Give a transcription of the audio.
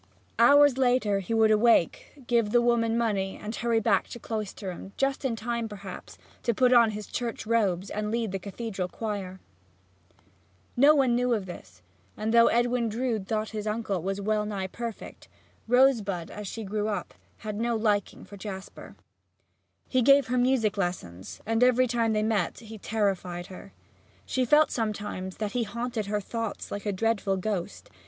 Hours later he would awake, give the woman money and hurry back to Cloisterham just in time, perhaps, to put on his church robes and lead the cathedral choir. Though no one knew of this, and though Edwin Drood thought his uncle was well nigh perfect, Rosebud, after she grew up, had no liking for Jasper. He gave her music lessons and every time they met he terrified her. She felt sometimes that he haunted her thoughts like a dreadful ghost.